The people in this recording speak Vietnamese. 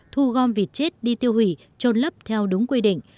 thu gom vịt chết đi tiêu hủy trôn lấp theo đúng quy định